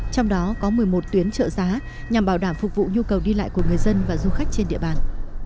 trong đó có một mươi một tuyến trợ giá nhằm bảo đảm phục vụ nhu cầu đi lại của người dân và du khách trên địa bàn